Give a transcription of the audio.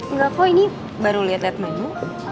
enggak kok ini baru lihat menu